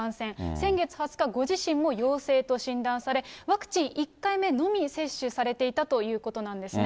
先月２０日、ご自身も陽性と診断され、ワクチン１回目のみ接種されていたということなんですね。